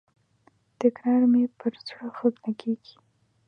تکرار مي پر زړه ښه لګیږي.